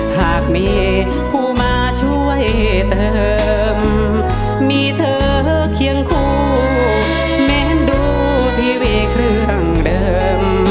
หากมีผู้มาช่วยเติมมีเธอเคียงคู่แม้นดูทีวีเครื่องเดิม